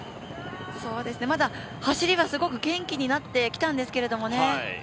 まだ走りがすごく元気になってきたんですけどね。